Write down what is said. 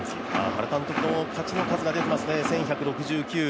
原監督の勝ちの数が出てますね、１１６９。